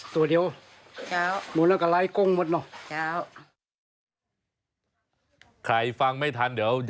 ๑ตัวแม่๓ตัว